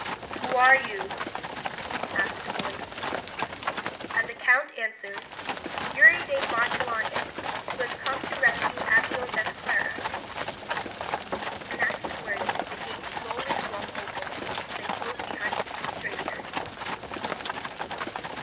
'Who are you?' asked a voice. And the count answered: 'Youri de Blanchelande, who has come to rescue Abeille des Clarides.' And at these words the gate slowly swung open, and closed behind the two strangers.